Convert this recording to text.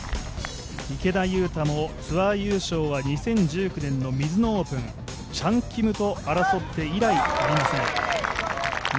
池田勇太もツアー優勝は２０１９年のミズノオープンチャン・キムと争って以来ありません。